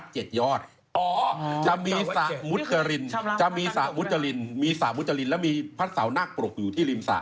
ยอดอ๋อจะมีสระมุจรินจะมีสระมุจรินมีสระมุจรินแล้วมีพระเสานักปรกอยู่ที่ริมสระ